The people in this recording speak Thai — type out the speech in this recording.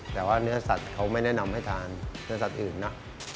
แต่ว่าเนื้อสัตว์เขาไม่แนะนำให้ทานเนื้อสัตว์อื่นนะ